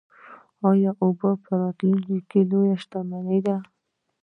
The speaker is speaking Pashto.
اوبه په راتلونکي کې لویه شتمني ده.